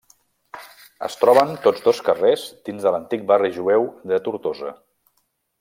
Es troben tots dos carrers dins de l'antic barri jueu de Tortosa.